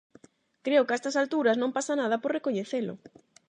Creo que a estas alturas non pasa nada por recoñecelo.